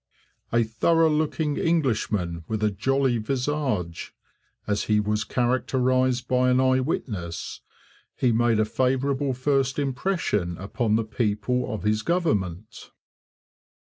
'A thorough looking Englishman with a jolly visage,' as he was characterized by an eye witness, he made a favourable first impression upon the people of his government.